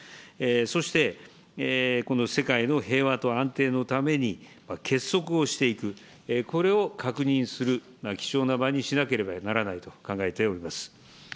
そして、この世界の平和と安定のために結束をしていく、これを確認する貴重な場にしなければならないと考えております。